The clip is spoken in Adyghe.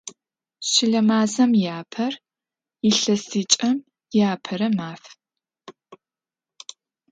Şıle mazem yi aper – yilhesıç'em yiapere maf.